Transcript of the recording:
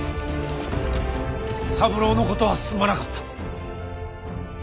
三郎のことはすまなかった。